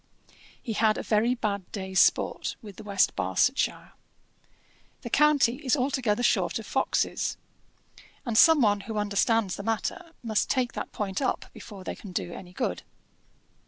He had a very bad day's sport with the West Barsetshire. The county is altogether short of foxes, and some one who understands the matter must take that point up before they can do any good.